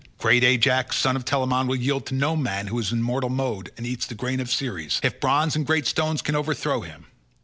Great Ajax son of Telamon will yield to no man who is in mortal mould and eats the grain of Ceres, if bronze and great stones can overthrow him.